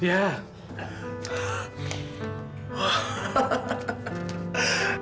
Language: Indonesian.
banyak sekali pak